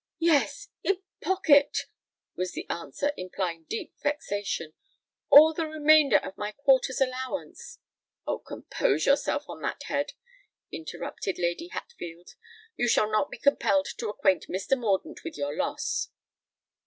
"Yes—in pocket," was the answer, implying deep vexation. "All the remainder of my quarter's allowance——" "Oh! compose yourself on that head," interrupted Lady Hatfield. "You shall not be compelled to acquaint Mr. Mordaunt with your loss."